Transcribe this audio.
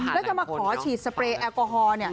แล้วจะมาขอฉีดสเปรย์แอลกอฮอล์